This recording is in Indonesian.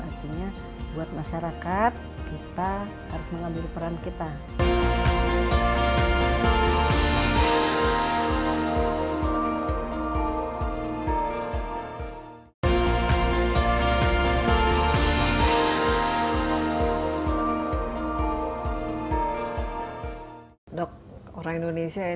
artinya buat masyarakat kita harus mengambil peran kita